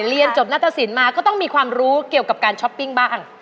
เรียนจบนัตตสินมาก็ต้องมีความรู้เกี่ยวกับการช้อปปิ้งบ้าง